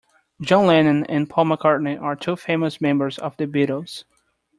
John Lennon and Paul McCartney are two famous members of the Beatles.